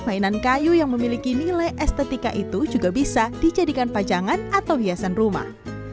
mainan kayu yang memiliki nilai estetika itu juga bisa dijadikan pajangan atau hiasan rumah